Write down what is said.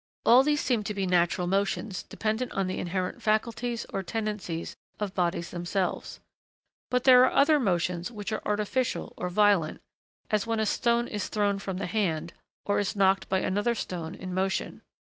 All these seem to be natural motions, dependent on the inherent faculties, or tendencies, of bodies themselves. But there are other motions which are artificial or violent, as when a stone is thrown from the hand, or is knocked by another stone in motion.